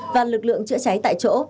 và lực lượng chữa cháy tại chỗ